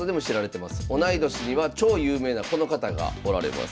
同い年には超有名なこの方がおられます。